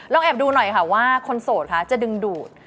ลองแอบดูหน่อยว่าคนโสดจะดึงดูด